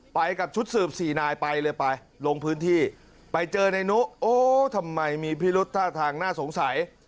ไปกับชุดสืบสี่นายไปเลยไปลงพื้นที่ไปเจอในนุโอ้ทำไมมีพิรุษท่าทางน่าสงสัย